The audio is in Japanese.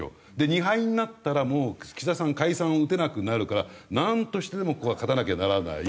２敗になったらもう岸田さん解散を打てなくなるからなんとしてでもここは勝たなきゃならない。